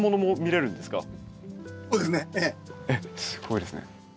えっすごいですね。